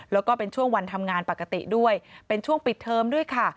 แล้วก็เป็นช่วงวันทำงานปกติด้วยเป็นช่วงปิดเทอมด้วยค่ะ